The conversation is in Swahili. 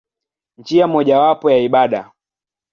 Njia mojawapo ya ibada.